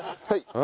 はい。